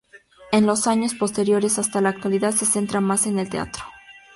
En los años posteriores hasta la actualidad se centra más en el teatro.